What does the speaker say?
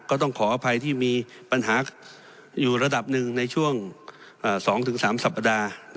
ก็ต้องขออภัยที่มีปัญหาอยู่ระดับหนึ่งในช่วง๒๓สัปดาห์